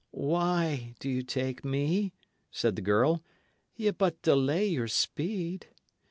"Why do ye take me?" said the girl. "Ye but delay your speed."